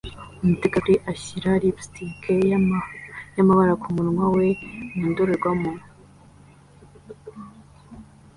Umutegarugori ashyira lipstick y'amabara kumunwa we mu ndorerwamo